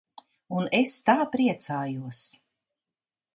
Un es tā priecājos.